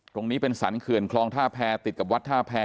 ตรงนี้เป็นสรรเขื่อนคลองท่าแพรติดกับวัดท่าแพร